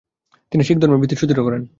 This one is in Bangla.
তিনি শিখধর্মের ভিত্তি সুদৃঢ় করেন।